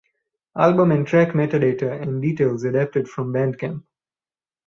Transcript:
Album and track metadata and details adapted from Bandcamp.